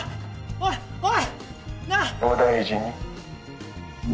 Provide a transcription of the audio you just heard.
おいおい！